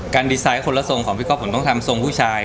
ดีไซน์คนละทรงของพี่ก้อผมต้องทำทรงผู้ชาย